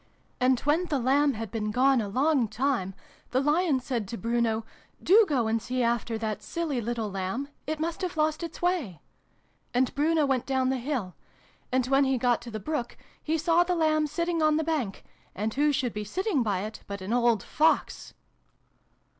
And when the Lamb had been gone a long time, the Lion said to Bruno ' Do go and see after that silly little Lamb ! It must have lost its way.' And Bruno went down the hill. And when he got to the brook, he saw the Lamb sitting on the bank : and who should be sitting by it but an old Fox